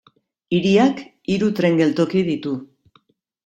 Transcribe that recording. Hiriak hiru tren geltoki ditu.